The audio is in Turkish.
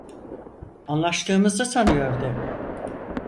Anlaştığımızı sanıyordum.